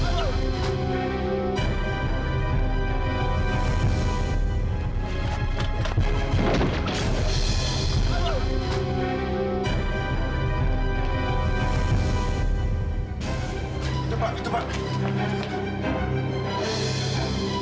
ayo dokter kita pergi lagi